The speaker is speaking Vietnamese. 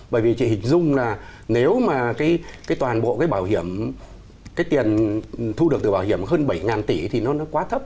bởi vì chị hình dung là nếu mà toàn bộ cái bảo hiểm cái tiền thu được từ bảo hiểm hơn bảy tỷ thì nó quá thấp